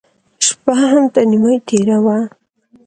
شپه هم تر نيمايي تېره وه.